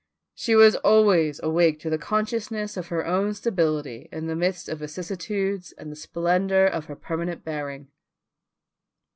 She was always awake to the consciousness of her own stability in the midst of vicissitudes and the splendour of her permanent bearing.